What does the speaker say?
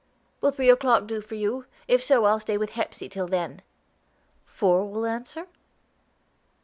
"Will three o'clock do for you? If so, I'll stay with Hepsey till then." "Four will answer?"